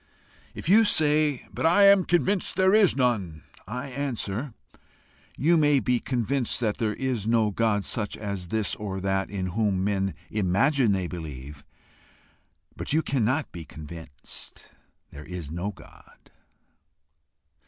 If you say, "But I am convinced there is none," I answer You may be convinced that there is no God such as this or that in whom men imagine they believe, but you cannot be convinced there is no God.